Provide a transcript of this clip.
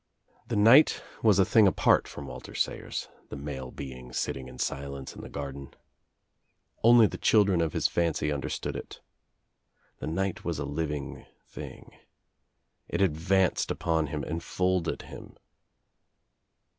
The night was a thing apart from Walter Sayer^ the male being sitting In silence in the garden. Onll the children of his fancy understood it. The nighi was a living thing. It advanced upon him, enfolded him.